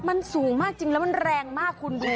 มันสูงมากจริงแล้วมันแรงมากคุณดู